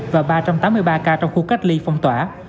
và ba trăm tám mươi ba ca trong khu cách ly phong tỏa